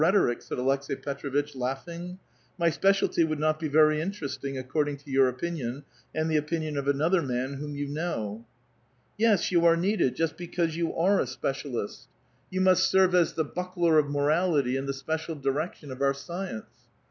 ^Hc?" said Aleks^i Petrovitch, laughing. *' My spe I ^y would not be very interesting, according to your opin ^l ^iid the opinion of another man whom you know." ^es, you are needed, just because you are a specialist. 182 A VITAL QUESTION. You must serve as the buckler of morality and the special direction of our scieuce."